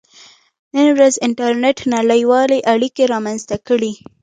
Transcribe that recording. • نن ورځ انټرنېټ نړیوالې اړیکې رامنځته کړې.